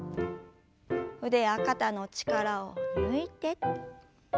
腕や肩の力を抜いて。